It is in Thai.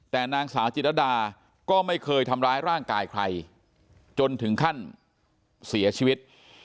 แต่นางสาวจิตรดาก็ไม่เคยทำร้ายร่างกายใครจนถึงขั้นเสียชีวิต